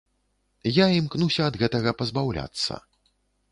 Я імкнуся ад гэтага пазбаўляцца.